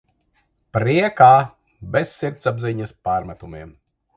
Priekā! Bez sirdsapziņas pārmetumiem.